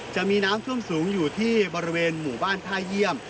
จะมีน้ำท่วมสูงอยู่ที่บริเวณหมู่บ้านท่าเยี่ยม